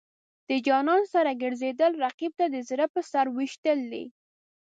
د جانان سره ګرځېدل، رقیب ته د زړه په سر ویشتل دي.